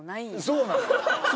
そうなのよ